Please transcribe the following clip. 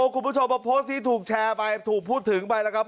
คุณผู้ชมว่าโพสต์นี้ถูกแชร์ไปถูกพูดถึงไปแล้วครับ